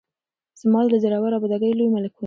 زما له زوره ابادیږي لوی ملکونه